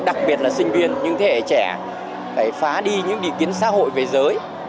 đặc biệt là sinh viên những thế hệ trẻ phải phá đi những ý kiến xã hội về giới